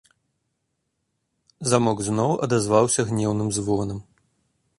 Замок зноў адазваўся гнеўным звонам.